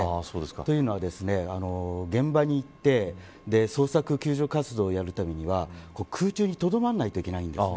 というのは、現場に行って捜索救助活動をやるためには空中にとどまらないといけないんです。